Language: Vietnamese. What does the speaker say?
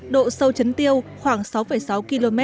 độ sâu chấn tiêu khoảng sáu sáu km